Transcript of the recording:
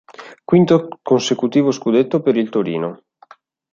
Quinto consecutivo scudetto per il Torino.